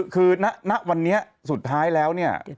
คือณวันนี้สุดท้ายแล้ว